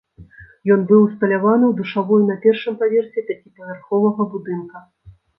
Ён быў усталяваны ў душавой на першым паверсе пяціпавярховага будынка.